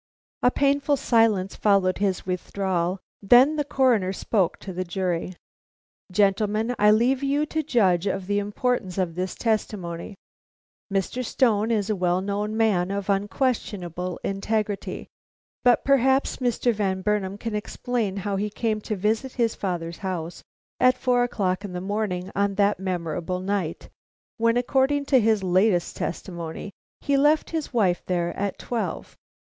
A painful silence followed his withdrawal, then the Coroner spoke to the jury: "Gentlemen, I leave you to judge of the importance of this testimony. Mr. Stone is a well known man of unquestionable integrity, but perhaps Mr. Van Burnam can explain how he came to visit his father's house at four o'clock in the morning on that memorable night, when according to his latest testimony he left his wife there at twelve.